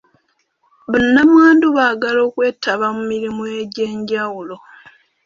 Bannamwandu baagala okwetaba mu mirimu egy'enjawulo.